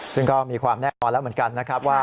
ซึ่งก็มีความแน่นอนแล้วเหมือนกันนะครับว่า